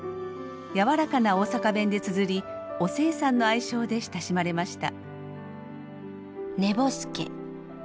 柔らかな大阪弁でつづり「おせいさん」の愛称で親しまれました。